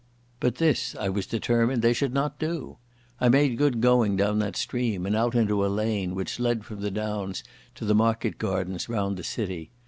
But this I was determined they should not do. I made good going down that stream and out into a lane which led from the downs to the market gardens round the city.